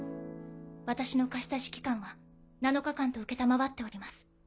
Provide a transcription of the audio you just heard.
私の貸し出し期間は７日間と承っております。